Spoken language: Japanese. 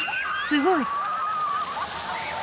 すごい！？